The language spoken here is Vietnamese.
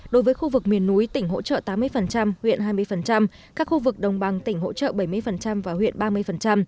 đối với khu vực miền núi tỉnh hỗ trợ tám mươi huyện hai mươi các khu vực đồng bằng tỉnh hỗ trợ bảy mươi và huyện ba mươi